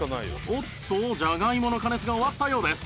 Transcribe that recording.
おっとじゃがいもの加熱が終わったようです